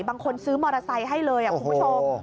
บางคนซื้อมอเตอร์ไซค์ให้เลยคุณผู้ชม